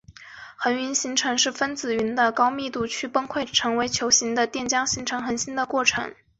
恒星形成是分子云的高密度区崩溃成为球形的电浆形成恒星的过程。